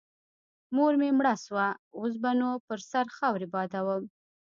مور مې مړه سوه اوس به نو پر سر خاورې بادوم.